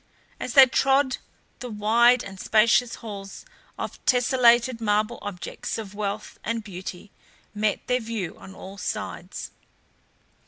As they trod the wide and spacious halls of tesselated marble objects of wealth and beauty met their view on all sides.